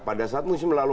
pada saat musim lalu